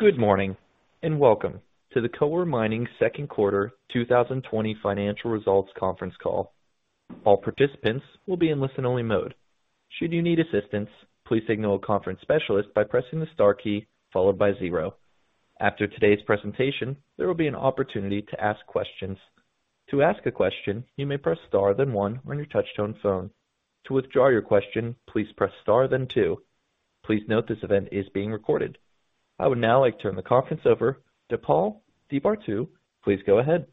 Good morning, and welcome to the Coeur Mining second quarter 2020 financial results conference call. All participants will be in listen-only mode. Should you need assistance, please signal a conference specialist by pressing the star key followed by zero. After today's presentation, there will be an opportunity to ask questions. To ask a question, you may press star then one on your touch-tone phone. To withdraw your question, please press star then two. Please note this event is being recorded. I would now like to turn the conference over to Paul DePartout. Please go ahead.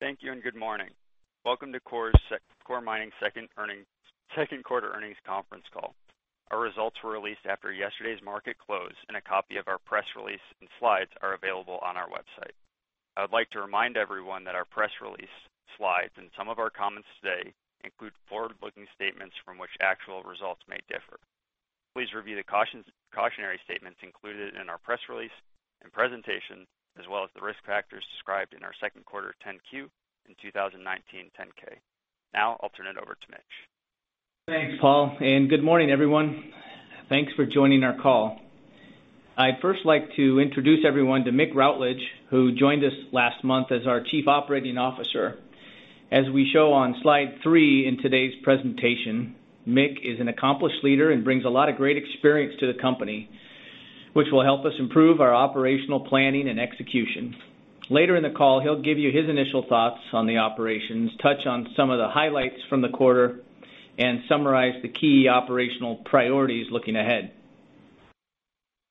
Thank you, and good morning. Welcome to Coeur Mining second quarter earnings conference call. Our results were released after yesterday's market close, and a copy of our press release and slides are available on our website. I would like to remind everyone that our press release, slides, and some of our comments today include forward-looking statements from which actual results may differ. Please review the cautionary statements included in our press release and presentation, as well as the risk factors described in our second quarter 10-Q and 2019 10-K. Now, I'll turn it over to Mitch. Thanks, Paul. Good morning, everyone. Thanks for joining our call. I'd first like to introduce everyone to Mick Routledge, who joined us last month as our Chief Operating Officer. As we show on slide three in today's presentation, Mick is an accomplished leader and brings a lot of great experience to the company, which will help us improve our operational planning and execution. Later in the call, he'll give you his initial thoughts on the operations, touch on some of the highlights from the quarter, and summarize the key operational priorities looking ahead.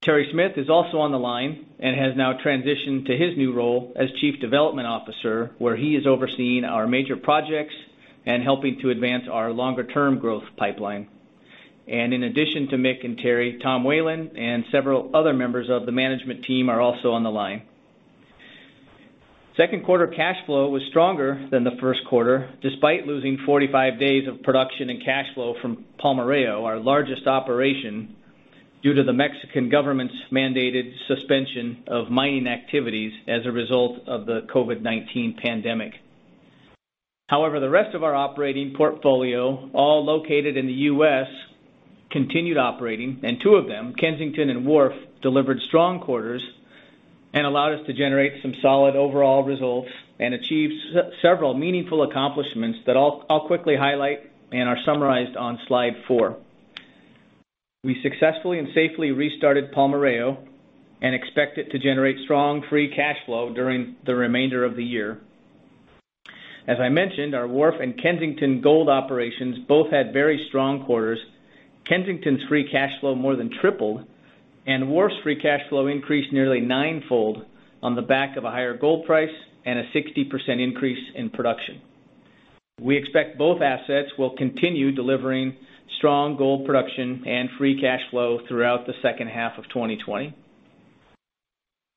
Terry Smith is also on the line and has now transitioned to his new role as Chief Development Officer, where he is overseeing our major projects and helping to advance our longer-term growth pipeline. In addition to Mick and Terry, Tom Whelan and several other members of the management team are also on the line. Second quarter cash flow was stronger than the first quarter, despite losing 45 days of production and cash flow from Palmarejo, our largest operation, due to the Mexican government's mandated suspension of mining activities as a result of the COVID-19 pandemic. The rest of our operating portfolio, all located in the U.S., continued operating, and two of them, Kensington and Wharf, delivered strong quarters and allowed us to generate some solid overall results and achieve several meaningful accomplishments that I'll quickly highlight and are summarized on slide four. We successfully and safely restarted Palmarejo and expect it to generate strong free cash flow during the remainder of the year. As I mentioned, our Wharf and Kensington gold operations both had very strong quarters. Kensington's free cash flow more than tripled, and Wharf's free cash flow increased nearly ninefold on the back of a higher gold price and a 60% increase in production. We expect both assets will continue delivering strong gold production and free cash flow throughout the second half of 2020.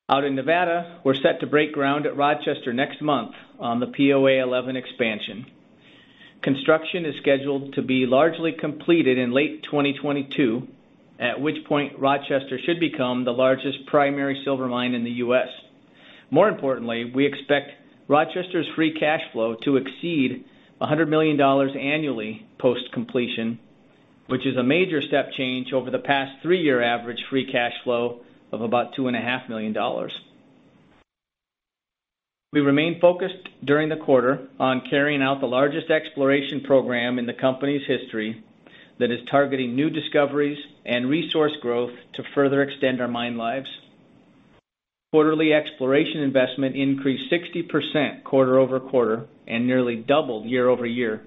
Out in Nevada, we're set to break ground at Rochester next month on the POA 11 expansion. Construction is scheduled to be largely completed in late 2022, at which point Rochester should become the largest primary silver mine in the U.S. More importantly, we expect Rochester's free cash flow to exceed $100 million annually post-completion, which is a major step change over the past three-year average free cash flow of about $2.5 million. We remained focused during the quarter on carrying out the largest exploration program in the company's history that is targeting new discoveries and resource growth to further extend our mine lives. Quarterly exploration investment increased 60% quarter-over-quarter and nearly doubled year-over-year.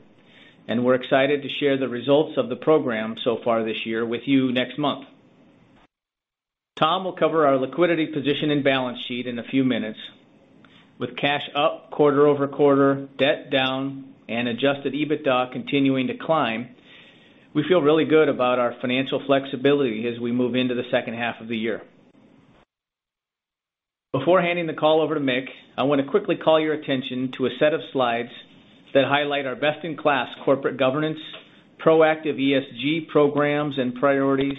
We're excited to share the results of the program so far this year with you next month. Tom will cover our liquidity position and balance sheet in a few minutes. With cash up quarter-over-quarter, debt down, and adjusted EBITDA continuing to climb, we feel really good about our financial flexibility as we move into the second half of the year. Before handing the call over to Mick, I want to quickly call your attention to a set of slides that highlight our best-in-class corporate governance, proactive ESG programs and priorities,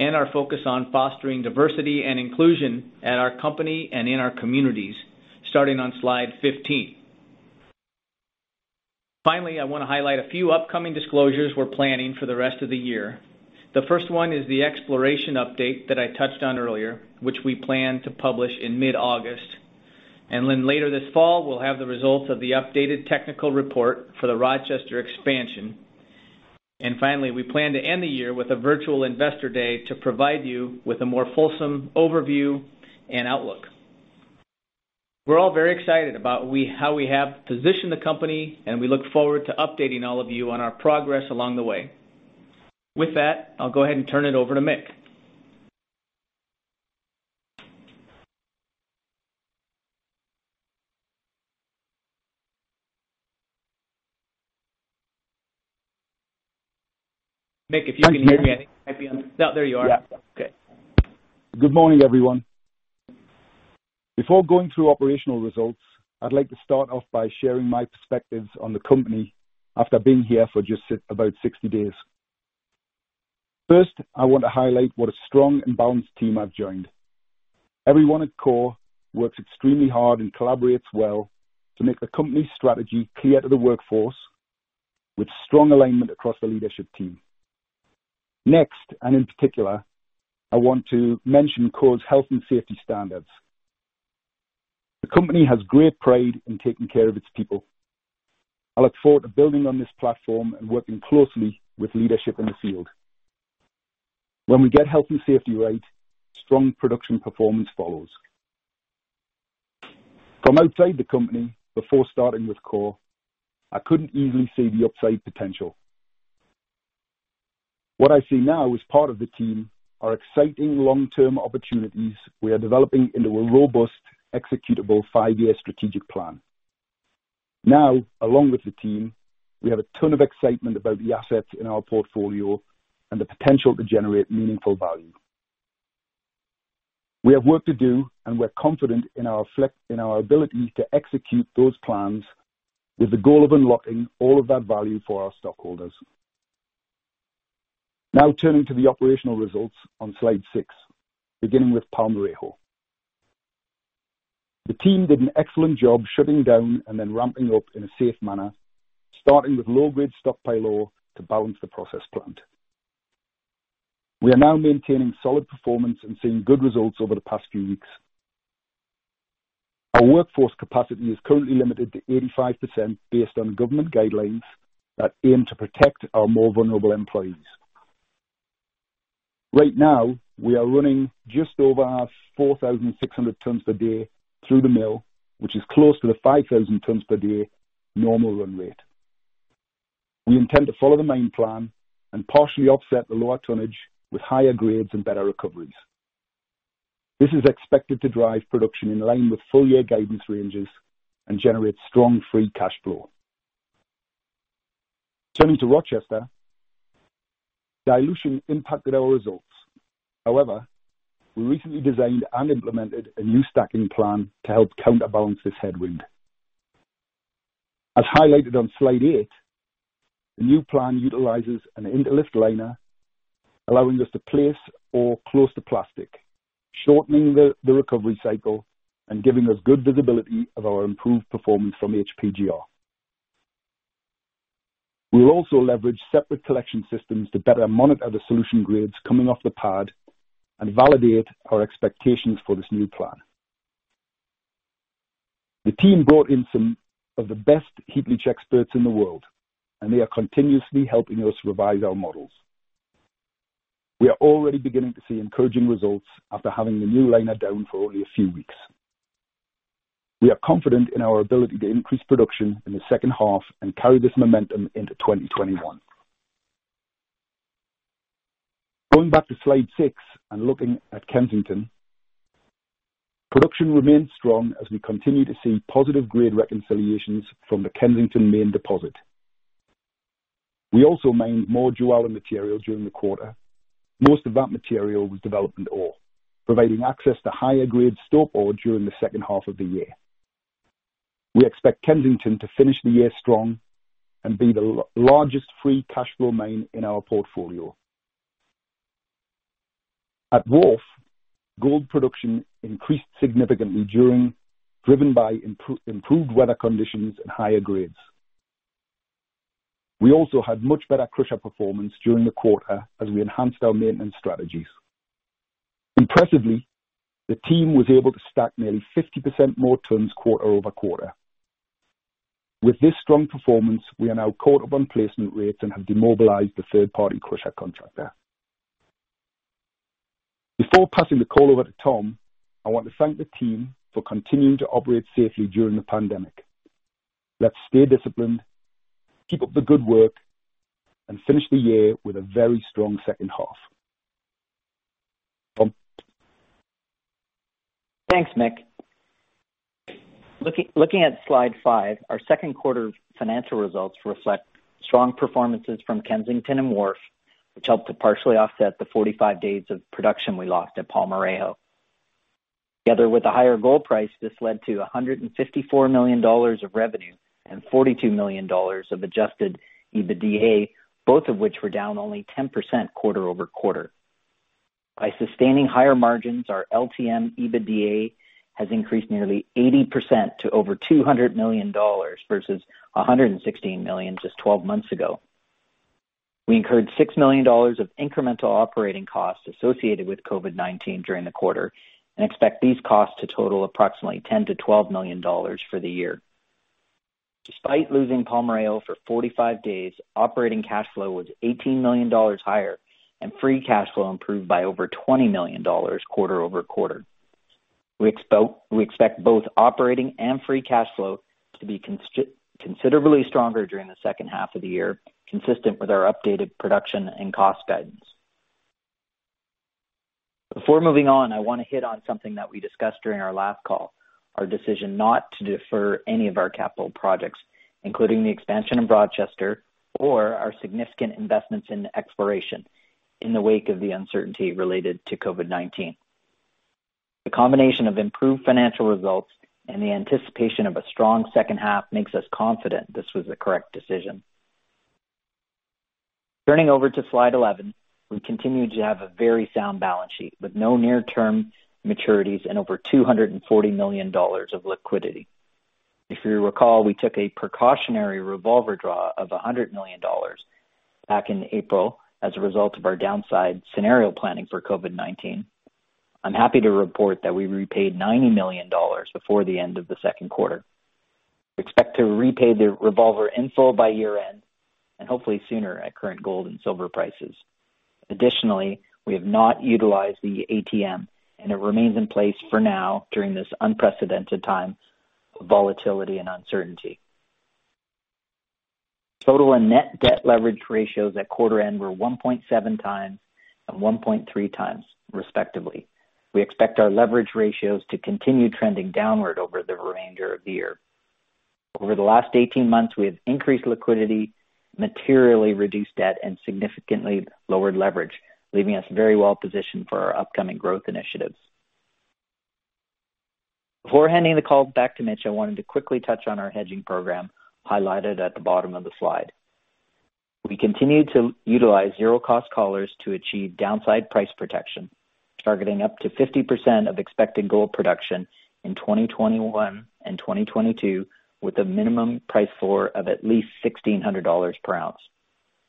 and our focus on fostering diversity and inclusion at our company and in our communities, starting on slide 15. Finally, I want to highlight a few upcoming disclosures we're planning for the rest of the year. The first one is the exploration update that I touched on earlier, which we plan to publish in mid-August. Later this fall, we'll have the results of the updated technical report for the Rochester expansion. Finally, we plan to end the year with a virtual investor day to provide you with a more fulsome overview and outlook. We're all very excited about how we have positioned the company, and we look forward to updating all of you on our progress along the way. With that, I'll go ahead and turn it over to Mick. Mick, if you can hear me, I think I'd be on No, there you are. Yeah. Okay. Good morning, everyone. Before going through operational results, I'd like to start off by sharing my perspectives on the company after being here for just about 60 days. First, I want to highlight what a strong and balanced team I've joined. Everyone at Coeur works extremely hard and collaborates well to make the company's strategy clear to the workforce. With strong alignment across the leadership team. Next, and in particular, I want to mention Coeur's health and safety standards. The company has great pride in taking care of its people. I look forward to building on this platform and working closely with leadership in the field. When we get health and safety right, strong production performance follows. From outside the company, before starting with Coeur, I couldn't easily see the upside potential. What I see now as part of the team are exciting long-term opportunities we are developing into a robust, executable five-year strategic plan. Along with the team, we have a ton of excitement about the assets in our portfolio and the potential to generate meaningful value. We have work to do, and we're confident in our ability to execute those plans with the goal of unlocking all of that value for our stockholders. Turning to the operational results on slide six, beginning with Palmarejo. The team did an excellent job shutting down and then ramping up in a safe manner, starting with low-grade stockpile ore to balance the process plant. We are now maintaining solid performance and seeing good results over the past few weeks. Our workforce capacity is currently limited to 85% based on government guidelines that aim to protect our more vulnerable employees. Right now, we are running just over 4,600 tons per day through the mill, which is close to the 5,000 tons per day normal run rate. We intend to follow the main plan and partially offset the lower tonnage with higher grades and better recoveries. This is expected to drive production in line with full-year guidance ranges and generate strong free cash flow. Turning to Rochester, dilution impacted our results. We recently designed and implemented a new stacking plan to help counterbalance this headwind. As highlighted on slide eight, the new plan utilizes an interlift liner, allowing us to place ore close to plastic, shortening the recovery cycle and giving us good visibility of our improved performance from HPGR. We will also leverage separate collection systems to better monitor the solution grades coming off the pad and validate our expectations for this new plan. The team brought in some of the best heap leach experts in the world, and they are continuously helping us revise our models. We are already beginning to see encouraging results after having the new liner down for only a few weeks. We are confident in our ability to increase production in the second half and carry this momentum into 2021. Going back to slide six and looking at Kensington, production remained strong as we continue to see positive grade reconciliations from the Kensington main deposit. We also mined more Jualin material during the quarter. Most of that material was development ore, providing access to higher-grade stock ore during the second half of the year. We expect Kensington to finish the year strong and be the largest free cash flow mine in our portfolio. At Wharf, gold production increased significantly, driven by improved weather conditions and higher grades. We also had much better crusher performance during the quarter as we enhanced our maintenance strategies. Impressively, the team was able to stack nearly 50% more tons quarter-over-quarter. With this strong performance, we are now caught up on placement rates and have demobilized the third-party crusher contractor. Before passing the call over to Tom, I want to thank the team for continuing to operate safely during the pandemic. Let's stay disciplined, keep up the good work, and finish the year with a very strong second half. Tom? Thanks, Mick. Looking at slide five, our second quarter financial results reflect strong performances from Kensington and Wharf, which helped to partially offset the 45 days of production we lost at Palmarejo. Together with a higher gold price, this led to $154 million of revenue and $42 million of adjusted EBITDA, both of which were down only 10% quarter-over-quarter. By sustaining higher margins, our LTM EBITDA has increased nearly 80% to over $200 million versus $116 million just 12 months ago. We incurred $6 million of incremental operating costs associated with COVID-19 during the quarter and expect these costs to total approximately $10 million-$12 million for the year. Despite losing Palmarejo for 45 days, operating cash flow was $18 million higher, and free cash flow improved by over $20 million quarter-over-quarter. We expect both operating and free cash flow to be considerably stronger during the second half of the year, consistent with our updated production and cost guidance. Before moving on, I want to hit on something that we discussed during our last call, our decision not to defer any of our capital projects, including the expansion in Rochester or our significant investments in exploration in the wake of the uncertainty related to COVID-19. The combination of improved financial results and the anticipation of a strong second half makes us confident this was the correct decision. Turning over to slide 11, we continue to have a very sound balance sheet with no near-term maturities and over $240 million of liquidity. If you recall, we took a precautionary revolver draw of $100 million back in April as a result of our downside scenario planning for COVID-19. I'm happy to report that we repaid $90 million before the end of the second quarter. We expect to repay the revolver in full by year-end, and hopefully sooner at current gold and silver prices. Additionally, we have not utilized the ATM, and it remains in place for now during this unprecedented time of volatility and uncertainty. Total and net debt leverage ratios at quarter end were 1.7x and 1.3x respectively. We expect our leverage ratios to continue trending downward over the remainder of the year. Over the last 18 months, we have increased liquidity, materially reduced debt, and significantly lowered leverage, leaving us very well positioned for our upcoming growth initiatives. Before handing the call back to Mitch, I wanted to quickly touch on our hedging program highlighted at the bottom of the slide. We continue to utilize zero-cost collars to achieve downside price protection, targeting up to 50% of expected gold production in 2021 and 2022 with a minimum price floor of at least $1,600 per ounce.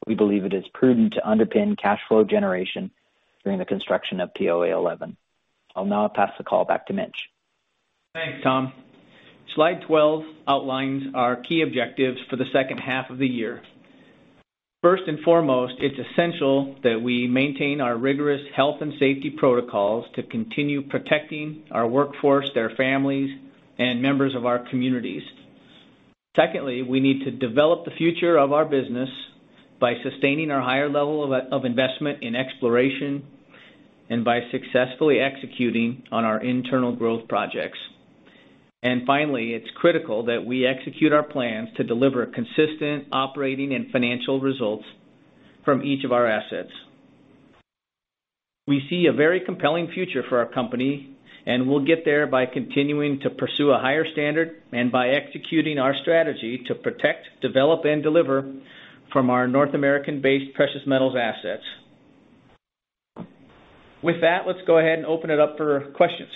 We believe it is prudent to underpin cash flow generation during the construction of POA 11. I'll now pass the call back to Mitch. Thanks, Tom. Slide 12 outlines our key objectives for the second half of the year. First and foremost, it's essential that we maintain our rigorous health and safety protocols to continue protecting our workforce, their families, and members of our communities. Secondly, we need to develop the future of our business by sustaining our higher level of investment in exploration and by successfully executing on our internal growth projects. Finally, it's critical that we execute our plans to deliver consistent operating and financial results from each of our assets. We see a very compelling future for our company, and we'll get there by continuing to pursue a higher standard and by executing our strategy to protect, develop, and deliver from our North American-based precious metals assets. With that, let's go ahead and open it up for questions.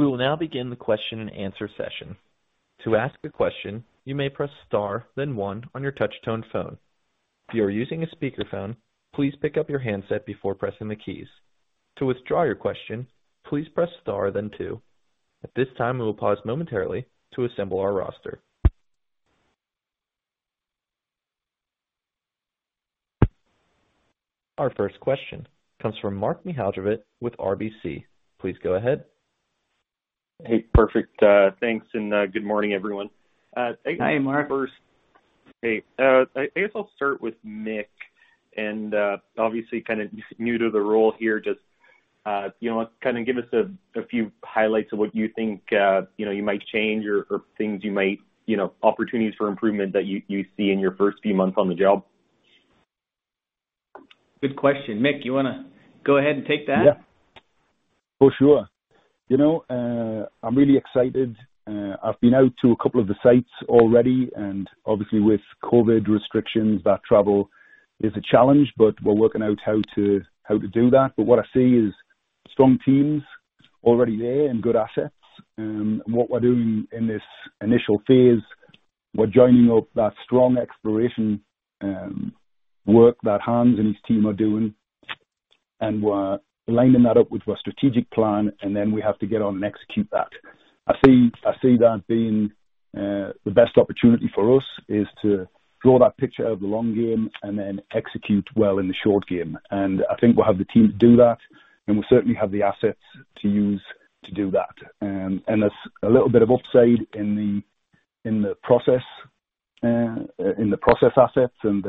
We will now begin the question and answer session. To ask a question, you may press star then one on your touch-tone phone. If you are using a speakerphone, please pick up your handset before pressing the keys. To withdraw your question, please press star then two. At this time, we will pause momentarily to assemble our roster. Our first question comes from Mark Mihaljevic with RBC. Please go ahead. Hey, perfect. Thanks and good morning everyone. Hi, Mark. Hey. I guess I'll start with Mick and, obviously kind of new to the role here, just, you know, kind of give us a few highlights of what you think, you know, you might change or things you might, you know, opportunities for improvement that you see in your first few months on the job. Good question. Mick, you want to go ahead and take that? Yeah. For sure. You know, I'm really excited. I've been out to a couple of the sites already, and obviously with COVID-19 restrictions, that travel is a challenge. We're working out how to do that. What I see is strong teams already there and good assets. What we're doing in this initial phase, we're joining up that strong exploration work that Hans and his team are doing. We're lining that up with our strategic plan. We have to get on and execute that. I see that being the best opportunity for us is to draw that picture of the long game. We execute well in the short game. I think we'll have the team to do that. We certainly have the assets to use to do that. There's a little bit of upside in the process assets and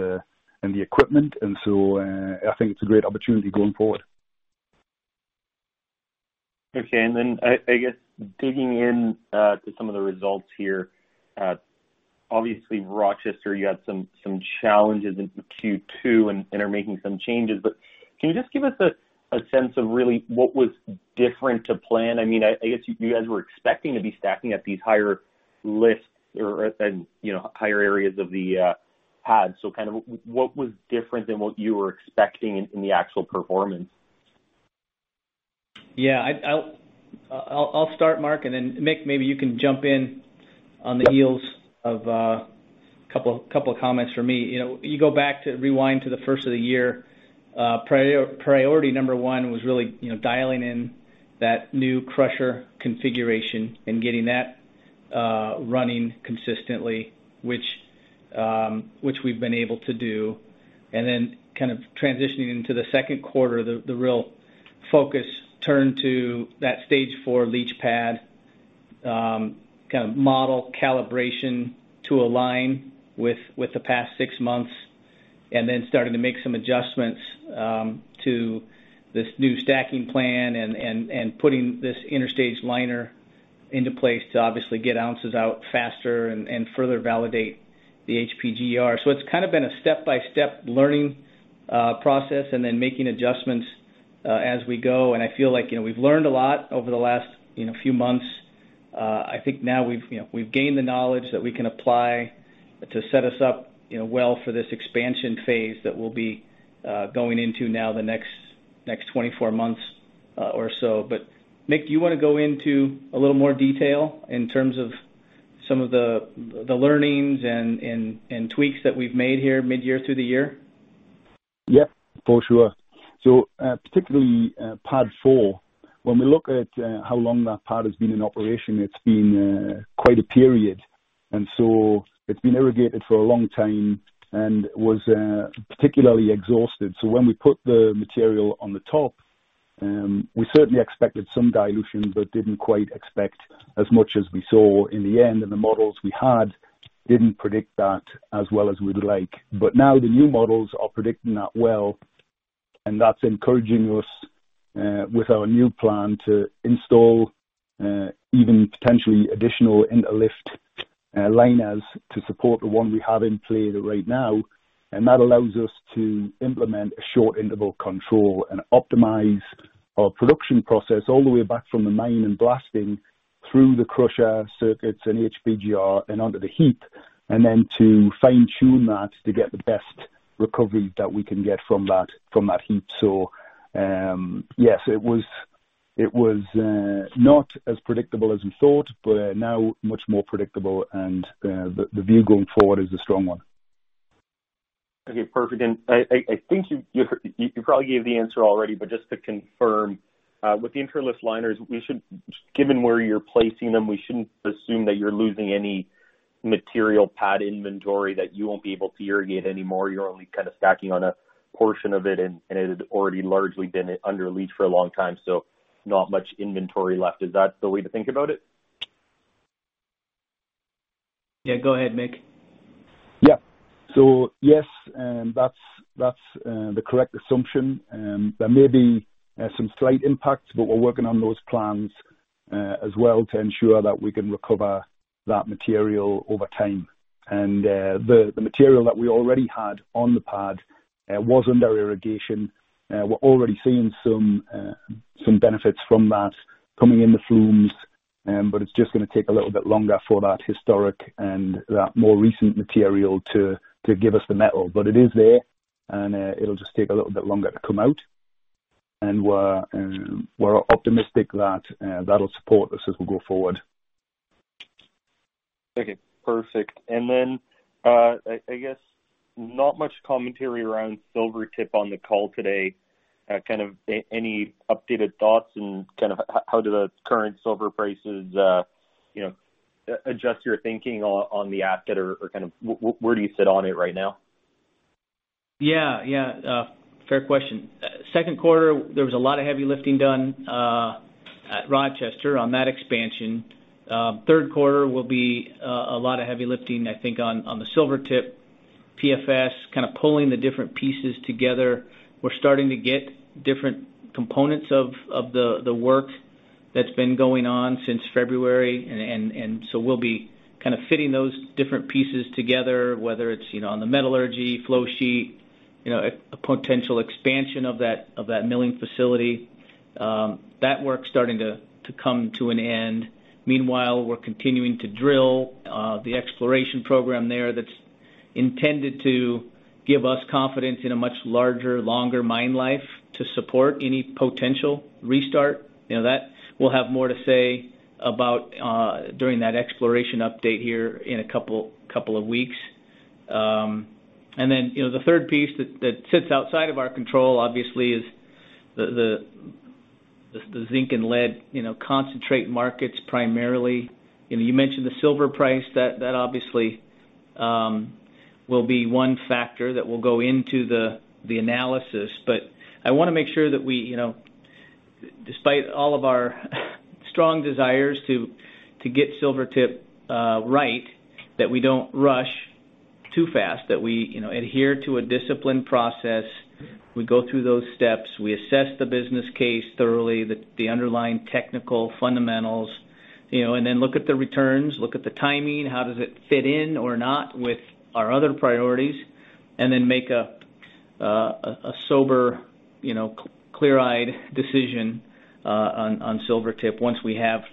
the equipment, and so, I think it's a great opportunity going forward. Okay. I guess digging in to some of the results here. Obviously, Rochester, you had some challenges into Q2 and are making some changes, can you just give us a sense of really what was different to plan? I mean, I guess you guys were expecting to be stacking at these higher lifts or, you know, higher areas of the pad. Kind of what was different than what you were expecting in the actual performance? Yeah. I'll start, Mark, and then Mick, maybe you can jump in on the heels of a couple of comments from me. You go back to rewind to the first of the year. Priority number one was really, you know, dialing in that new crusher configuration and getting that running consistently, which we've been able to do. Kind of transitioning into the second quarter, the real focus turned to that stage four leach pad, kind of model calibration to align with the past six months, starting to make some adjustments to this new stacking plan and putting this interlift liner into place to obviously get ounces out faster and further validate the HPGR. It's kind of been a step-by-step learning process making adjustments as we go. I feel like, you know, we've learned a lot over the last few months. I think now we've gained the knowledge that we can apply to set us up well for this expansion phase that we'll be going into now the next 24 months or so. Mick, do you want to go into a little more detail in terms of some of the learnings and tweaks that we've made here mid-year through the year? Yep, for sure. Particularly pad four, when we look at how long that pad has been in operation, it's been quite a period. It's been irrigated for a long time and was particularly exhausted. When we put the material on the top, we certainly expected some dilution, but didn't quite expect as much as we saw in the end. The models we had didn't predict that as well as we'd like. Now the new models are predicting that well, and that's encouraging us, with our new plan to install, even potentially additional interlift liners to support the one we have in play right now. That allows us to implement a short interval control and optimize our production process all the way back from the mine and blasting through the crusher circuits and HPGR and onto the heap. Then to fine-tune that to get the best recovery that we can get from that heap. Yes, it was not as predictable as we thought, but now much more predictable. The view going forward is a strong one. Okay, perfect. I think you probably gave the answer already, but just to confirm, with the interlift liners, given where you're placing them, we shouldn't assume that you're losing any material pad inventory that you won't be able to irrigate anymore. You're only kind of stacking on a portion of it, and it had already largely been under leach for a long time. Not much inventory left. Is that the way to think about it? Yeah. Go ahead, Mick. Yeah. Yes, that's the correct assumption. There may be some slight impacts, but we're working on those plans as well to ensure that we can recover that material over time. The material that we already had on the pad was under irrigation. We're already seeing some benefits from that coming in the flumes, but it's just going to take a little bit longer for that historic and that more recent material to give us the metal. It is there, and it'll just take a little bit longer to come out. We're optimistic that'll support us as we go forward. Okay, perfect. Then, I guess not much commentary around Silvertip on the call today. Kind of any updated thoughts and kind of how do the current silver prices adjust your thinking on the asset? Kind of where do you sit on it right now? Yeah. Fair question. Second quarter, there was a lot of heavy lifting done at Rochester on that expansion. Third quarter will be a lot of heavy lifting, I think, on the Silvertip PFS, kind of pulling the different pieces together. We're starting to get different components of the work that's been going on since February. We'll be kind of fitting those different pieces together, whether it's on the metallurgy flow sheet, a potential expansion of that milling facility. That work's starting to come to an end. Meanwhile, we're continuing to drill the exploration program there that's intended to give us confidence in a much larger, longer mine life to support any potential restart. That we'll have more to say about during that exploration update here in a couple of weeks. The third piece that sits outside of our control, obviously, is the zinc and lead concentrate markets primarily. You mentioned the silver price. That obviously will be one factor that will go into the analysis. I want to make sure that despite all of our strong desires to get Silvertip right, that we don't rush too fast, that we adhere to a disciplined process. We go through those steps, we assess the business case thoroughly, the underlying technical fundamentals, and then look at the returns, look at the timing, how does it fit in or not with our other priorities, and then make a sober clear-eyed decision on Silvertip once we have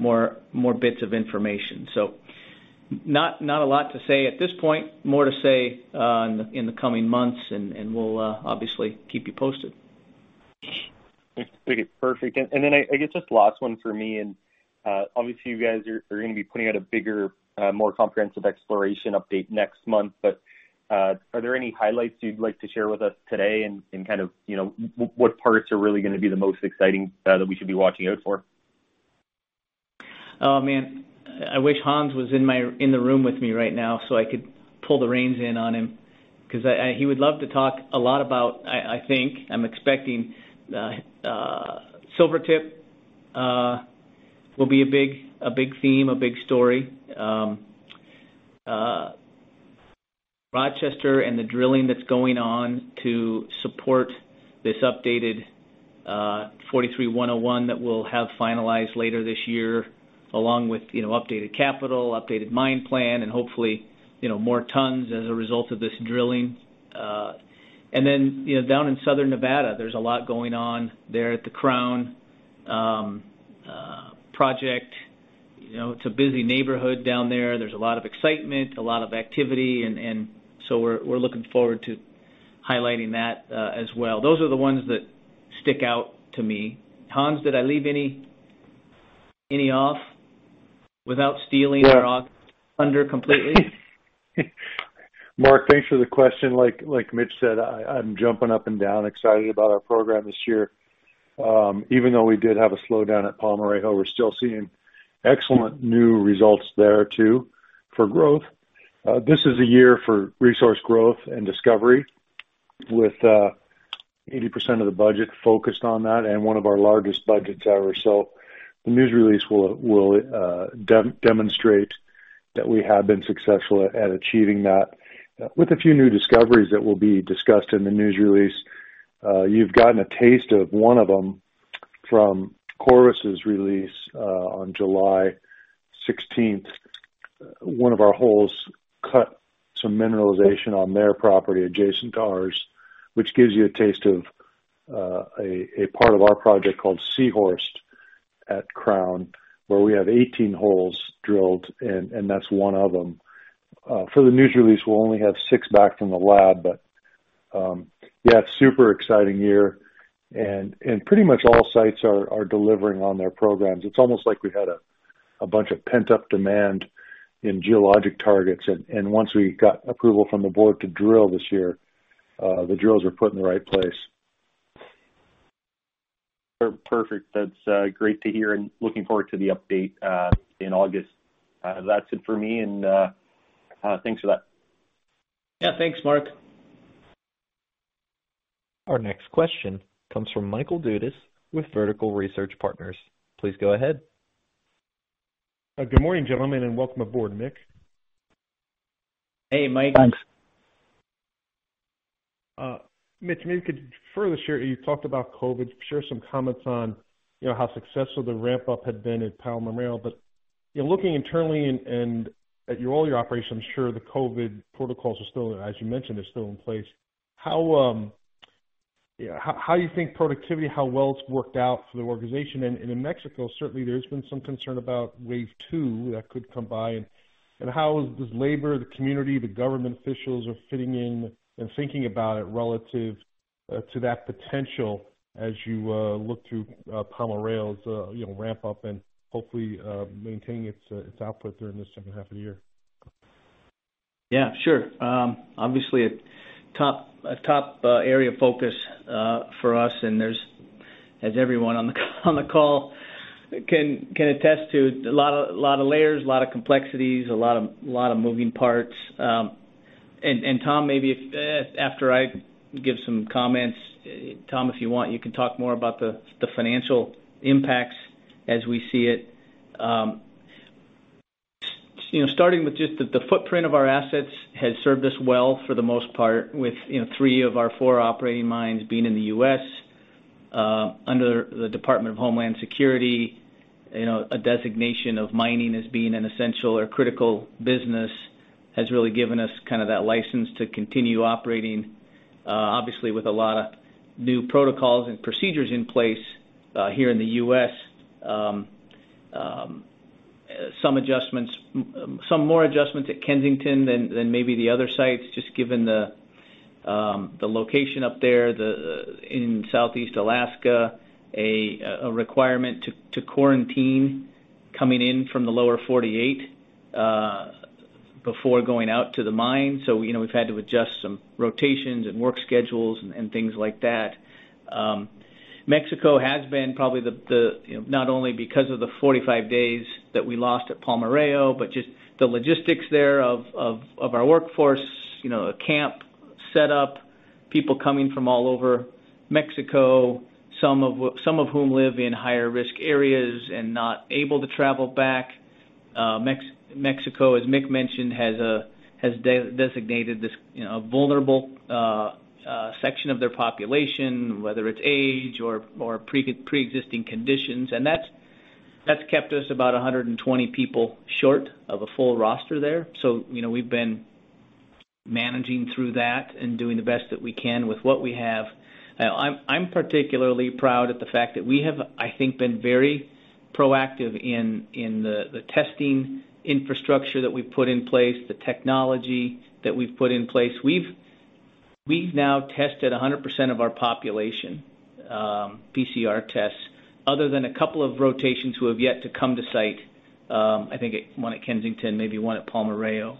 more bits of information. Not a lot to say at this point. More to say in the coming months, and we'll obviously keep you posted. Okay, perfect. I guess just last one for me. Obviously, you guys are going to be putting out a bigger, more comprehensive exploration update next month. Are there any highlights you'd like to share with us today and kind of what parts are really going to be the most exciting that we should be watching out for? Oh, man. I wish Hans was in the room with me right now so I could pull the reins in on him, because he would love to talk a lot about, I think, I'm expecting Silvertip will be a big theme, a big story. Rochester and the drilling that's going on to support this updated 43-101 that we'll have finalized later this year, along with updated capital, updated mine plan, and hopefully more tons as a result of this drilling. Down in Southern Nevada, there's a lot going on there at the Crown project. It's a busy neighborhood down there. There's a lot of excitement, a lot of activity. We're looking forward to highlighting that as well. Those are the ones that stick out to me. Hans, did I leave any off without stealing your thunder completely? Mark, thanks for the question. Like Mitch said, I'm jumping up and down excited about our program this year. Even though we did have a slowdown at Palmarejo, we're still seeing excellent new results there too for growth. This is a year for resource growth and discovery, with 80% of the budget focused on that and one of our largest budgets ever. The news release will demonstrate that we have been successful at achieving that with a few new discoveries that will be discussed in the news release. You've gotten a taste of one of them from Coeur's release on July 16th. One of our holes cut some mineralization on their property adjacent to ours, which gives you a taste of a part of our project called C-Horst at Crown, where we have 18 holes drilled, and that's one of them. For the news release, we'll only have six back from the lab, but yeah, it's super exciting year and pretty much all sites are delivering on their programs. It's almost like we had a bunch of pent-up demand in geologic targets, and once we got approval from the board to drill this year, the drills were put in the right place. Perfect. That's great to hear and looking forward to the update in August. That's it for me, and thanks for that. Yeah, thanks, Mark. Our next question comes from Michael Dudas with Vertical Research Partners. Please go ahead. Good morning, gentlemen, and welcome aboard, Mick. Hey, Mike. Thanks. Mitch, maybe you could further share, you talked about COVID, share some comments on how successful the ramp-up had been at Palmarejo. Looking internally and at all your operations, I'm sure the COVID protocols are still, as you mentioned, are still in place. How do you think productivity, how well it's worked out for the organization? In Mexico, certainly, there's been some concern about wave two that could come by, and how is labor, the community, the government officials are fitting in and thinking about it relative to that potential as you look through Palmarejo's ramp-up and hopefully maintaining its output during this second half of the year? Yeah, sure. Obviously, a top area of focus for us, and there's, as everyone on the call can attest to, a lot of layers, a lot of complexities, a lot of moving parts. Tom, maybe after I give some comments, Tom, if you want, you can talk more about the financial impacts as we see it. Starting with just the footprint of our assets has served us well for the most part with three of our four operating mines being in the U.S. under the Department of Homeland Security. A designation of mining as being an essential or critical business has really given us that license to continue operating, obviously with a lot of new protocols and procedures in place here in the U.S. Some more adjustments at Kensington than maybe the other sites, just given the location up there in Southeast Alaska, a requirement to quarantine coming in from the Lower 48 before going out to the mine. Mexico has been probably the, not only because of the 45 days that we lost at Palmarejo, but just the logistics there of our workforce, a camp set up, people coming from all over Mexico, some of whom live in higher risk areas and not able to travel back. Mexico, as Mick mentioned, has designated this a vulnerable section of their population, whether it's age or preexisting conditions, and that's kept us about 120 people short of a full roster there. We've been managing through that and doing the best that we can with what we have. I'm particularly proud at the fact that we have, I think, been very proactive in the testing infrastructure that we've put in place, the technology that we've put in place. We've now tested 100% of our population, PCR tests, other than a couple of rotations who have yet to come to site. I think one at Kensington, maybe one at Palmarejo.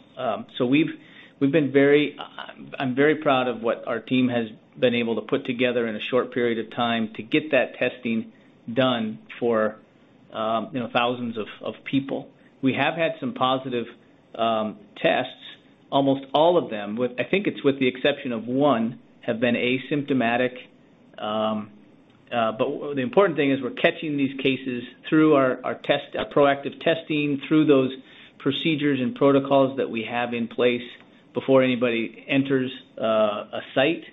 I'm very proud of what our team has been able to put together in a short period of time to get that testing done for thousands of people. We have had some positive tests. Almost all of them, I think it's with the exception of one, have been asymptomatic. The important thing is we're catching these cases through our proactive testing, through those procedures and protocols that we have in place before anybody enters a site.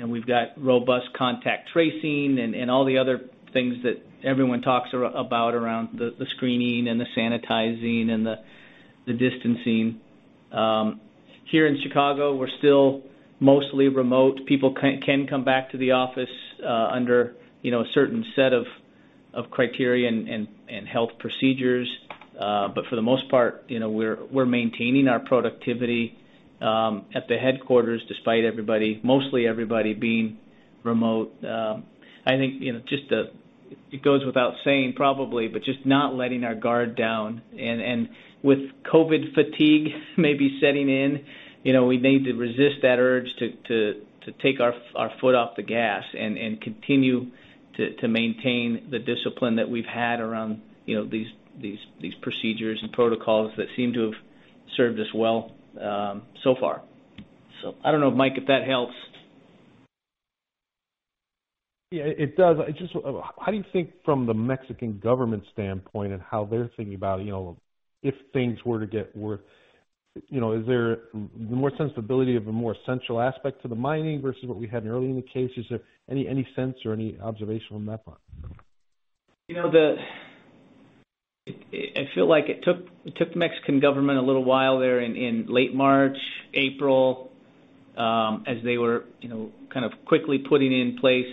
We've got robust contact tracing and all the other things that everyone talks about around the screening and the sanitizing and the distancing. Here in Chicago, we're still mostly remote. People can come back to the office under a certain set of criteria and health procedures. For the most part, we're maintaining our productivity at the headquarters, despite mostly everybody being remote. I think, it goes without saying, probably, but just not letting our guard down. With COVID fatigue maybe setting in, we need to resist that urge to take our foot off the gas and continue to maintain the discipline that we've had around these procedures and protocols that seem to have served us well so far. I don't know, Mike, if that helps. Yeah, it does. Just, how do you think from the Mexican government standpoint and how they're thinking about if things were to get worse, is there more sensibility of a more essential aspect to the mining versus what we had in earlier cases? Is there any sense or any observation on that front? I feel like it took the Mexican government a little while there in late March, April, as they were quickly putting in place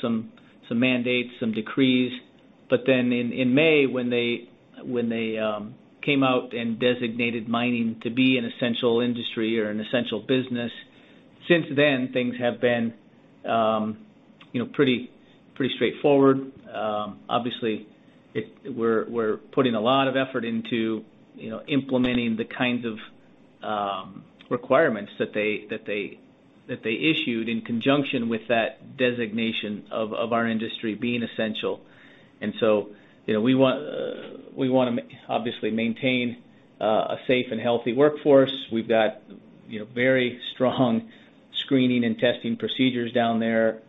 some mandates, some decrees. In May, when they came out and designated mining to be an essential industry or an essential business, since then, things have been pretty straightforward. Obviously, we're putting a lot of effort into implementing the kinds of requirements that they issued in conjunction with that designation of our industry being essential. We want to obviously maintain a safe and healthy workforce. We've got very strong screening and testing procedures down there,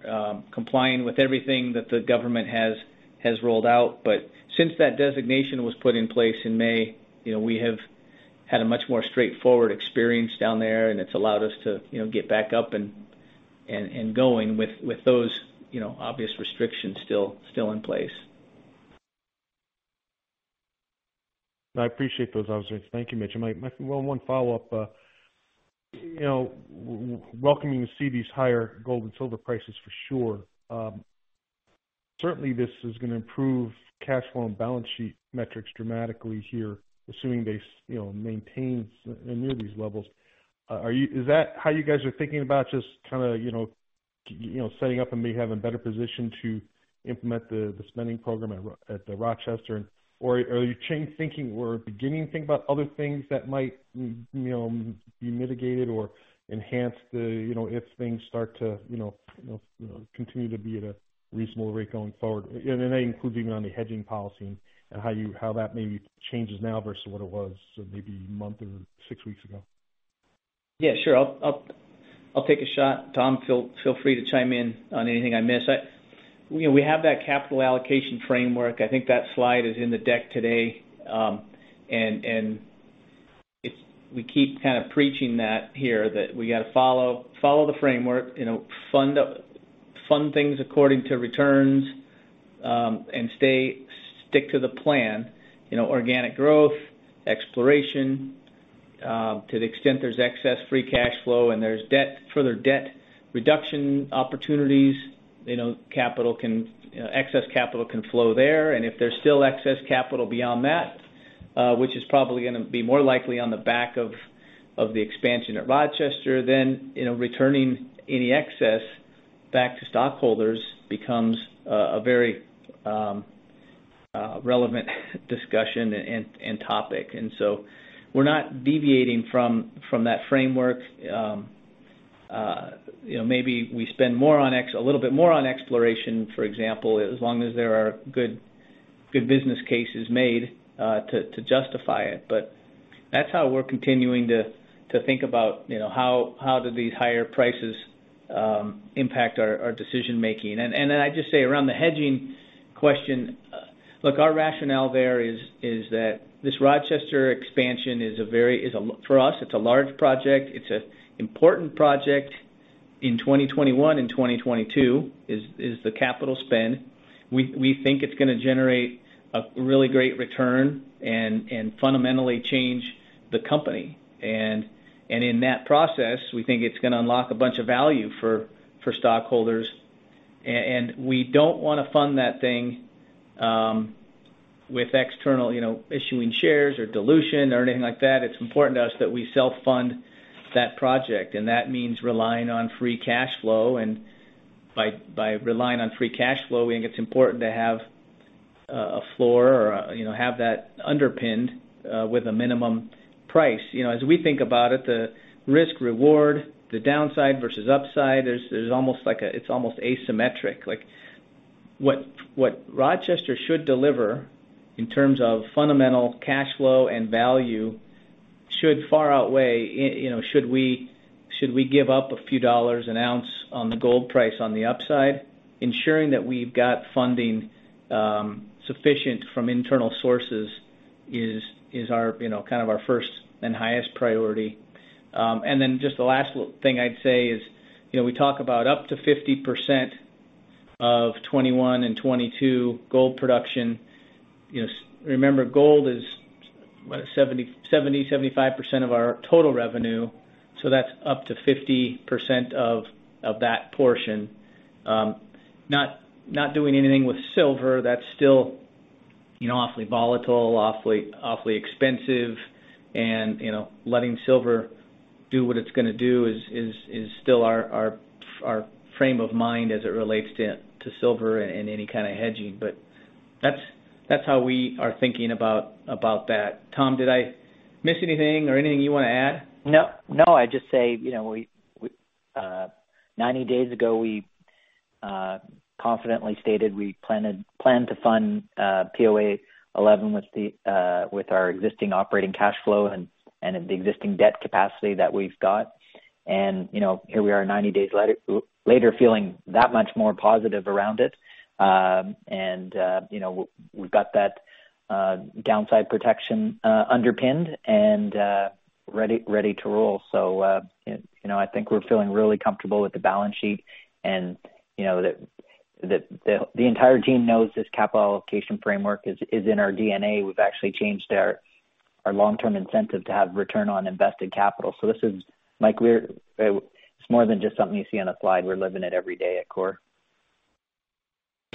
complying with everything that the government has rolled out. Since that designation was put in place in May, we have had a much more straightforward experience down there, and it's allowed us to get back up and going with those obvious restrictions still in place. I appreciate those observations. Thank you, Mitch. One follow-up. Welcoming to see these higher gold and silver prices, for sure. Certainly, this is going to improve cash flow and balance sheet metrics dramatically here, assuming they maintain near these levels. Is that how you guys are thinking about just kind of setting up and maybe have a better position to implement the spending program at the Rochester? Are you thinking, or beginning to think about other things that might be mitigated or enhance if things start to continue to be at a reasonable rate going forward? That includes even on the hedging policy and how that maybe changes now versus what it was maybe a month or six weeks ago. Yeah, sure. I'll take a shot. Tom, feel free to chime in on anything I miss. We have that capital allocation framework. I think that slide is in the deck today. We keep kind of preaching that here, that we got to follow the framework, fund things according to returns, and stick to the plan. Organic growth, exploration, to the extent there's excess free cash flow and there's further debt reduction opportunities, excess capital can flow there. If there's still excess capital beyond that, which is probably going to be more likely on the back of the expansion at Rochester, then returning any excess back to stockholders becomes a very relevant discussion and topic. We're not deviating from that framework. Maybe we spend a little bit more on exploration, for example, as long as there are good business cases made to justify it. That's how we're continuing to think about how do these higher prices impact our decision-making. I'd just say around the hedging question, look, our rationale there is that this Rochester expansion is, for us, it's a large project. It's an important project in 2021 and 2022, is the capital spend. We think it's going to generate a really great return and fundamentally change the company. In that process, we think it's going to unlock a bunch of value for stockholders. We don't want to fund that thing with external, issuing shares or dilution or anything like that. It's important to us that we self-fund that project, and that means relying on free cash flow. By relying on free cash flow, we think it's important to have a floor or have that underpinned with a minimum price. As we think about it, the risk-reward, the downside versus upside, it's almost asymmetric. What Rochester should deliver in terms of fundamental cash flow and value should far outweigh, should we give up a few dollars an ounce on the gold price on the upside? Ensuring that we've got funding sufficient from internal sources is our first and highest priority. The last thing I'd say is, we talk about up to 50% of 2021 and 2022 gold production. Remember, gold is what? 70%-75% of our total revenue, so that's up to 50% of that portion. Not doing anything with silver, that's still awfully volatile, awfully expensive and letting silver do what it's going to do is still our frame of mind as it relates to silver and any kind of hedging. That's how we are thinking about that. Tom, did I miss anything or anything you want to add? No. I'd just say, 90 days ago, we confidently stated we planned to fund POA 11 with our existing operating cash flow and the existing debt capacity that we've got. Here we are, 90 days later, feeling that much more positive around it. We've got that downside protection underpinned and ready to roll. I think we're feeling really comfortable with the balance sheet, the entire team knows this capital allocation framework is in our DNA. We've actually changed our long-term incentive to have return on invested capital. This is, Mike, it's more than just something you see on a slide. We're living it every day at Coeur.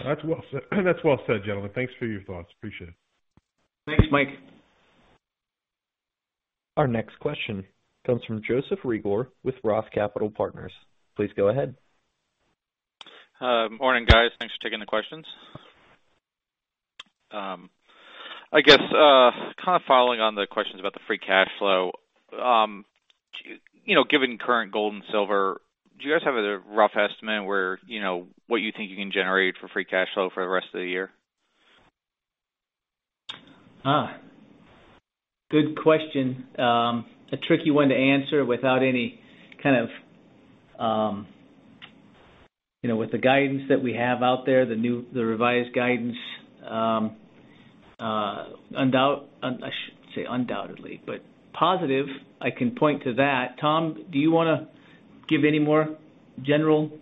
That's well said, gentlemen. Thanks for your thoughts. Appreciate it. Thanks, Mike. Our next question comes from Joseph Reagor with ROTH Capital Partners. Please go ahead. Morning, guys. Thanks for taking the questions. I guess, kind of following on the questions about the free cash flow. Given current gold and silver, do you guys have a rough estimate what you think you can generate for free cash flow for the rest of the year? Good question. A tricky one to answer With the guidance that we have out there, the revised guidance, undoubtedly, I shouldn't say undoubtedly, but positive, I can point to that. Tom, do you want to give any more-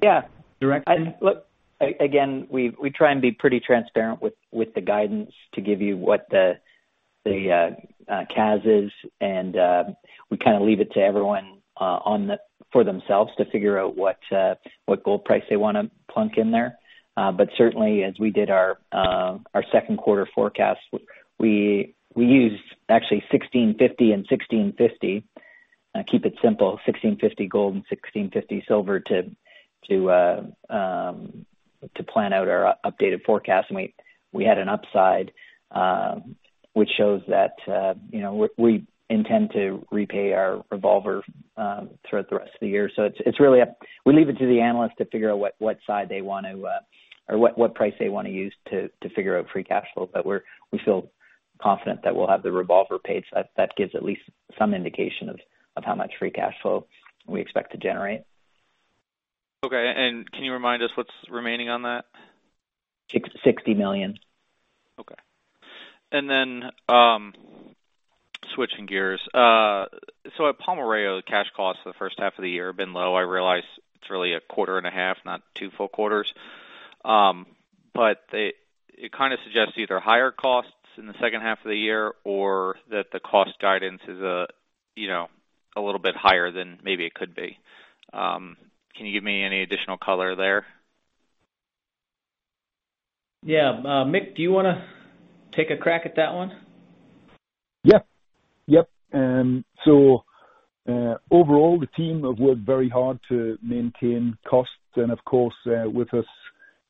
Yeah direction? Look, again, we try and be pretty transparent with the guidance to give you what the CAS is and we leave it to everyone for themselves to figure out what gold price they want to plunk in there. Certainly, as we did our second quarter forecast, we used actually $1,650 and $1,650. Keep it simple. $1,650 gold and $1,650 silver to plan out our updated forecast, and we had an upside, which shows that we intend to repay our revolver throughout the rest of the year. We leave it to the analyst to figure out what price they want to use to figure out free cash flow. We feel confident that we'll have the revolver paid, so that gives at least some indication of how much free cash flow we expect to generate. Okay. Can you remind us what's remaining on that? $60 million. Okay. Switching gears. At Palmarejo, the cash costs for the first half of the year have been low. I realize it's really a quarter and a half, not two full quarters. It kind of suggests either higher costs in the second half of the year or that the cost guidance is a little bit higher than maybe it could be. Can you give me any additional color there? Yeah. Mick, do you want to take a crack at that one? Yep. Overall, the team have worked very hard to maintain costs, and of course, with us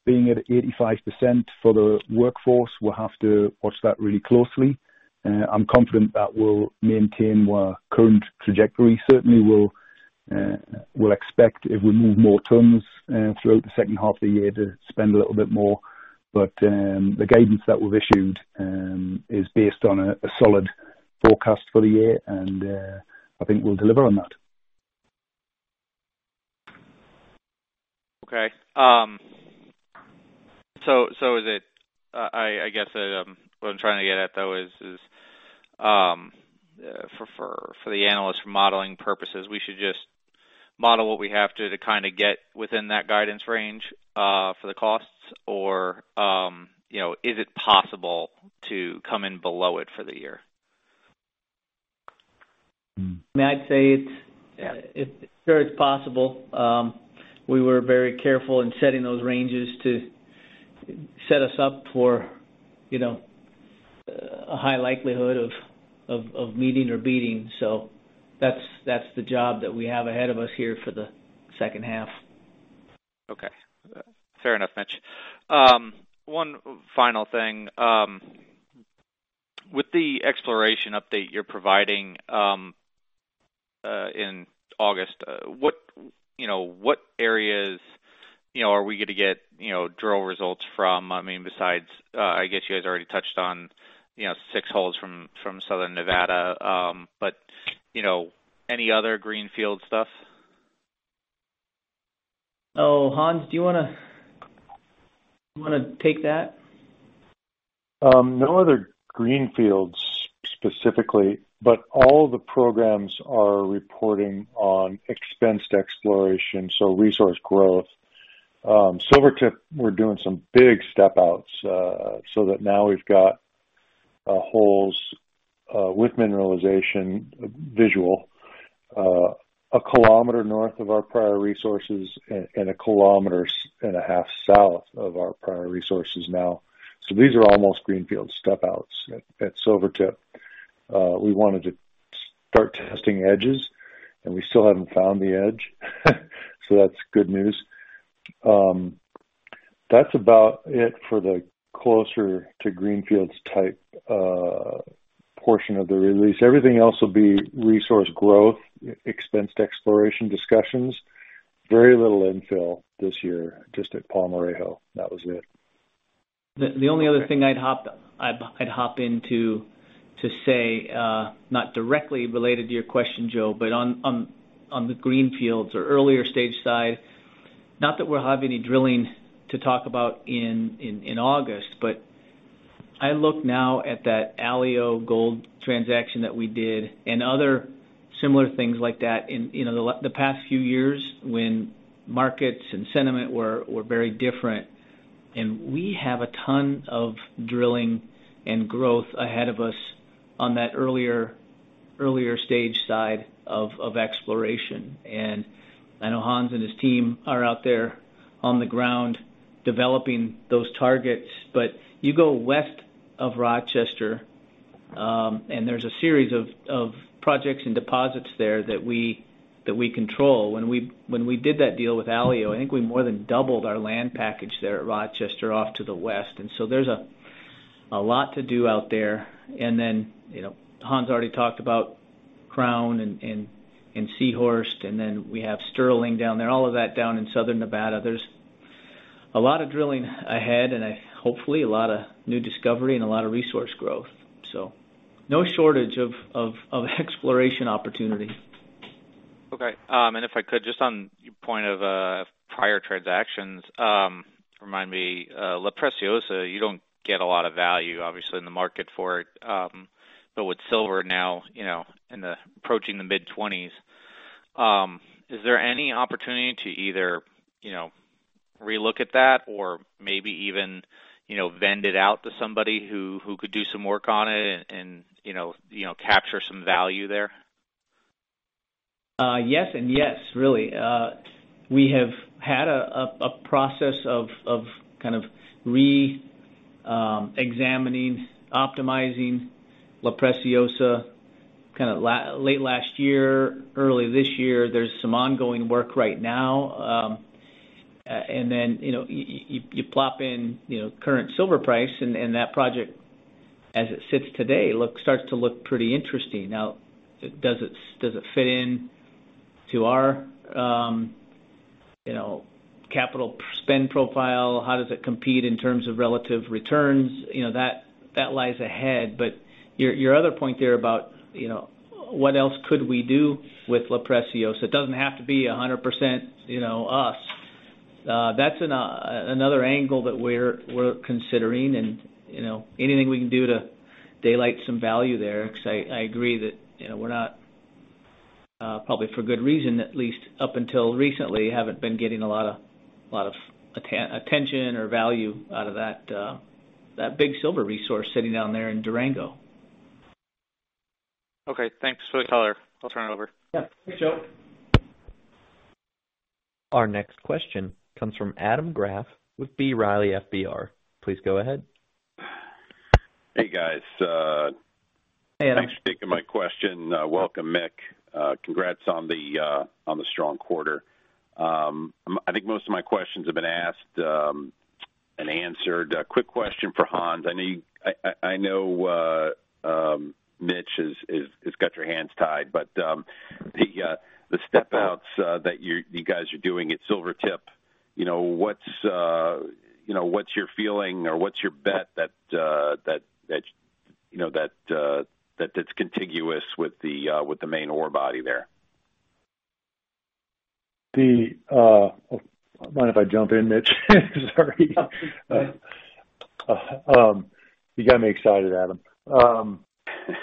being at 85% for the workforce, we'll have to watch that really closely. I'm confident that we'll maintain our current trajectory. Certainly, we'll expect if we move more tons throughout the second half of the year to spend a little bit more. The guidance that we've issued is based on a solid forecast for the year, and I think we'll deliver on that. Okay. I guess what I'm trying to get at though is, for the analyst for modeling purposes, we should just model what we have to get within that guidance range for the costs, or is it possible to come in below it for the year? Mick, I'd say it's very possible. We were very careful in setting those ranges to set us up for a high likelihood of meeting or beating. That's the job that we have ahead of us here for the second half. Okay. Fair enough, Mitch. One final thing. With the exploration update you're providing in August, what areas are we going to get drill results from? Besides, I guess you guys already touched on six holes from southern Nevada, any other green field stuff? Hans, do you want to take that? No other greenfields specifically, but all the programs are reporting on expensed exploration, so resource growth. Silvertip, we're doing some big step-outs, so that now we've got holes with mineralization visual a kilometer north of our prior resources and a kilometer and a half south of our prior resources now. These are almost greenfield step-outs at Silvertip. We wanted to start testing edges, and we still haven't found the edge, so that's good news. That's about it for the closer to greenfields type portion of the release. Everything else will be resource growth, expensed exploration discussions. Very little infill this year, just at Palmarejo. That was it. The only other thing I'd hop into to say, not directly related to your question, Joe, but on the greenfields or earlier stage side, not that we'll have any drilling to talk about in August, but I look now at that Alio Gold transaction that we did and other similar things like that in the past few years when markets and sentiment were very different. We have a ton of drilling and growth ahead of us on that earlier stage side of exploration. I know Hans and his team are out there on the ground developing those targets. You go west of Rochester, and there's a series of projects and deposits there that we control. When we did that deal with Alio, I think we more than doubled our land package there at Rochester off to the west. There's a lot to do out there. Hans already talked about Crown and C-Horst, and then we have Sterling down there, all of that down in southern Nevada. There's a lot of drilling ahead, and hopefully, a lot of new discovery and a lot of resource growth. No shortage of exploration opportunity. Okay. If I could, just on your point of prior transactions, remind me, La Preciosa, you don't get a lot of value, obviously, in the market for it. With silver now approaching the mid-20s, is there any opportunity to either re-look at that or maybe even vend it out to somebody who could do some work on it and capture some value there? Yes and yes, really. We have had a process of re-examining, optimizing La Preciosa late last year, early this year. There's some ongoing work right now. You plop in current silver price, and that project, as it sits today, starts to look pretty interesting. Now, does it fit into our capital spend profile? How does it compete in terms of relative returns? That lies ahead. Your other point there about what else could we do with La Preciosa? It doesn't have to be 100% us. That's another angle that we're considering, and anything we can do to daylight some value there, because I agree that we're not, probably for good reason, at least up until recently, haven't been getting a lot of attention or value out of that big silver resource sitting down there in Durango. Okay, thanks for the color. I'll turn it over. Yeah. Thanks, Joe. Our next question comes from Adam Graf with B. Riley FBR. Please go ahead. Hey, guys. Hey, Adam. Thanks for taking my question. Welcome, Mick. Congrats on the strong quarter. I think most of my questions have been asked and answered. A quick question for Hans. I know Mitch has got your hands tied, but the step-outs that you guys are doing at Silvertip, what's your feeling or what's your bet that it's contiguous with the main ore body there? Mind if I jump in, Mitch? Sorry. No. You got me excited, Adam.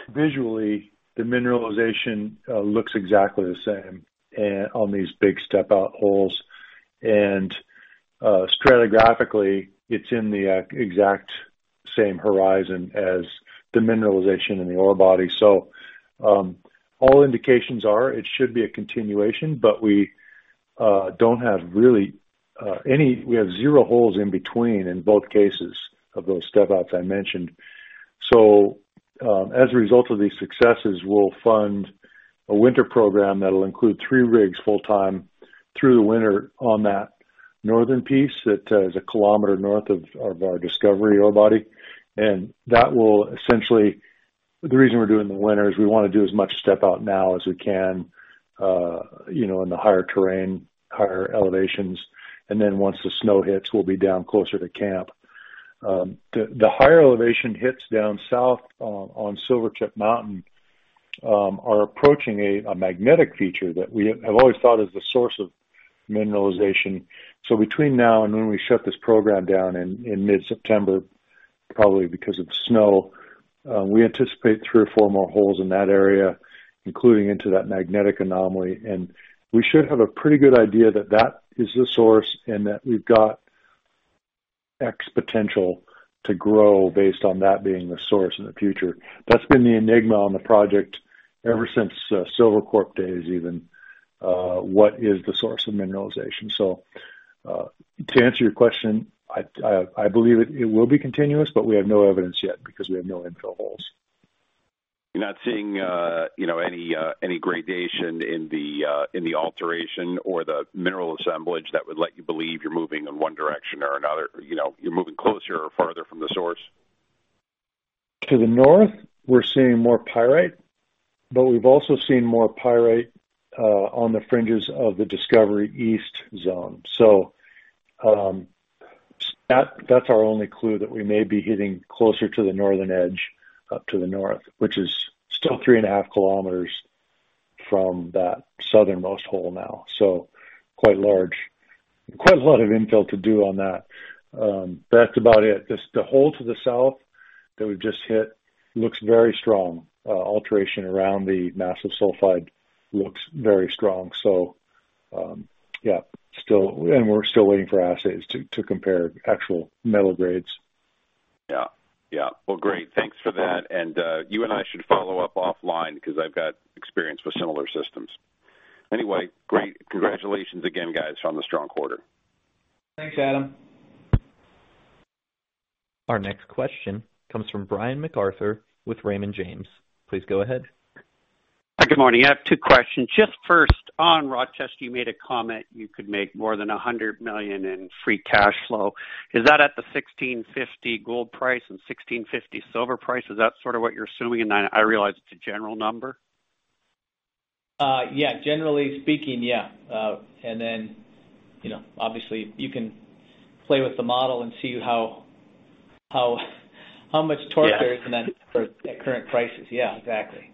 Visually, the mineralization looks exactly the same on these big step-out holes. Stratigraphically, it's in the exact same horizon as the mineralization in the ore body. All indications are it should be a continuation, but we have zero holes in between in both cases of those step-outs I mentioned. As a result of these successes, we'll fund a winter program that'll include three rigs full-time through the winter on that northern piece that is a kilometer north of our discovery ore body. The reason we're doing the winter is we want to do as much step-out now as we can in the higher terrain, higher elevations. Then once the snow hits, we'll be down closer to camp. The higher elevation hits down south on Silvertip Mountain are approaching a magnetic feature that we have always thought is the source of mineralization. Between now and when we shut this program down in mid-September, probably because of snow, we anticipate three or four more holes in that area, including into that magnetic anomaly. We should have a pretty good idea that is the source and that we've got X potential to grow based on that being the source in the future. That's been the enigma on the project ever since SilverCrest days, even. What is the source of mineralization? To answer your question, I believe it will be continuous, but we have no evidence yet because we have no infill holes. You're not seeing any gradation in the alteration or the mineral assemblage that would let you believe you're moving in one direction or another, you're moving closer or farther from the source? To the north, we're seeing more pyrite, but we've also seen more pyrite on the fringes of the Discovery East zone. That's our only clue that we may be getting closer to the northern edge, up to the north. Which is still three and a half kilometers from that southernmost hole now. Quite large. Quite a lot of infill to do on that. That's about it. The hole to the south that we've just hit looks very strong. Alteration around the massive sulfide looks very strong. Yeah, and we're still waiting for assays to compare actual metal grades. Yeah. Well, great. Thanks for that. You and I should follow up offline because I've got experience with similar systems. Anyway, great. Congratulations again, guys, on the strong quarter. Thanks, Adam. Our next question comes from Brian MacArthur with Raymond James. Please go ahead. Good morning. I have two questions. Just first, on Rochester, you made a comment you could make more than $100 million in free cash flow. Is that at the $1,650 gold price and $1,650 silver price? Is that sort of what you're assuming? I realize it's a general number. Yeah. Generally speaking, yeah. Obviously you can play with the model and see how much torque there is in that for current prices. Yeah, exactly.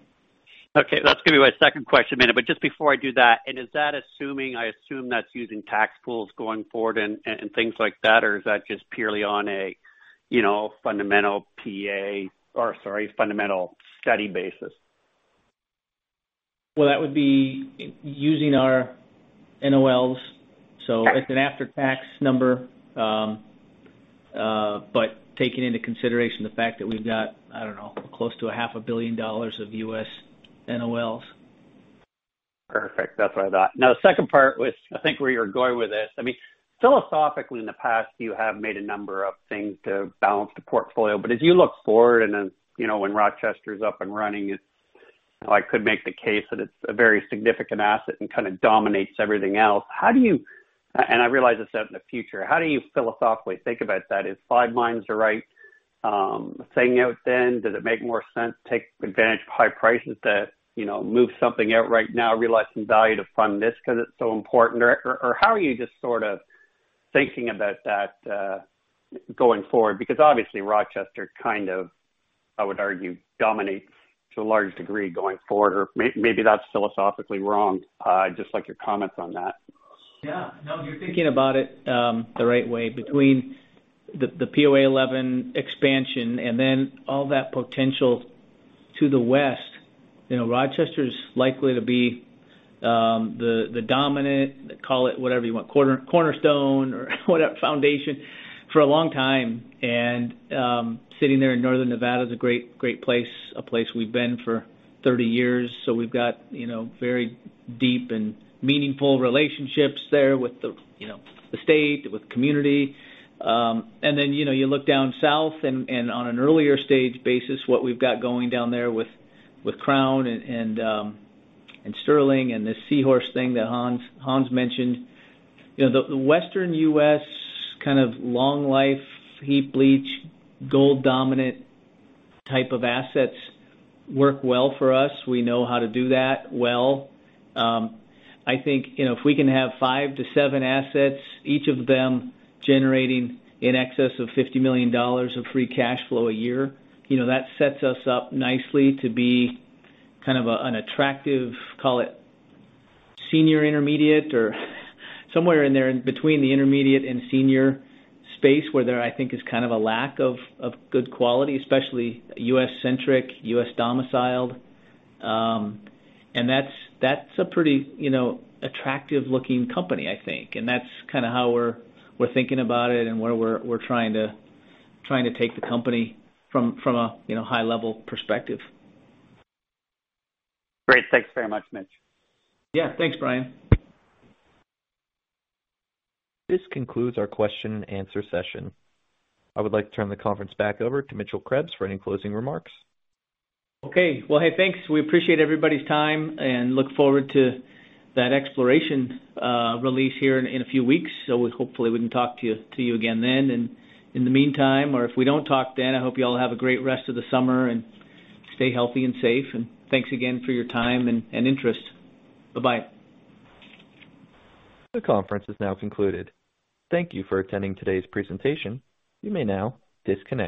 Okay. That's going to be my second question in a minute, but just before I do that, is that assuming, I assume that's using tax pools going forward and things like that, or is that just purely on a fundamental PEA, or sorry, fundamental study basis? That would be using our NOLs. It's an after-tax number, but taking into consideration the fact that we've got, I don't know, close to a half a billion dollars of U.S. NOLs. Perfect. That's what I thought. The second part, which I think where you're going with this, philosophically, in the past, you have made a number of things to balance the portfolio. As you look forward, and then when Rochester's up and running, I could make the case that it's a very significant asset and kind of dominates everything else. How do you, I realize it's set in the future, how do you philosophically think about that? Is five mines the right thing out then? Does it make more sense to take advantage of high prices to move something out right now, realize some value to fund this because it's so important? How are you just sort of thinking about that going forward? Obviously Rochester, kind of, I would argue, dominates to a large degree going forward, or maybe that's philosophically wrong. I'd just like your comments on that. Yeah. No, you're thinking about it the right way between the POA 11 expansion and then all that potential to the west. Rochester's likely to be the dominant, call it whatever you want, cornerstone or whatever, foundation, for a long time. Sitting there in northern Nevada is a great place, a place we've been for 30 years. We've got very deep and meaningful relationships there with the state, with the community. You look down south and on an earlier stage basis, what we've got going down there with Crown and Sterling and the C-Horst thing that Hans mentioned. The Western U.S. kind of long life, heap leach, gold-dominant type of assets work well for us. We know how to do that well. I think if we can have five to seven assets, each of them generating in excess of $50 million of free cash flow a year, that sets us up nicely to be kind of an attractive, call it senior intermediate or somewhere in there in between the intermediate and senior space where there, I think, is kind of a lack of good quality, especially U.S.-centric, U.S.-domiciled. That's a pretty attractive looking company, I think. That's kind of how we're thinking about it and where we're trying to take the company from a high level perspective. Great. Thanks very much, Mitch. Yeah. Thanks, Brian. This concludes our question and answer session. I would like to turn the conference back over to Mitchell Krebs for any closing remarks. Okay. Well, hey, thanks. We appreciate everybody's time and look forward to that exploration release here in a few weeks. Hopefully, we can talk to you again then. In the meantime, or if we don't talk then, I hope you all have a great rest of the summer and stay healthy and safe. Thanks again for your time and interest. Bye-bye. The conference is now concluded. Thank you for attending today's presentation. You may now disconnect.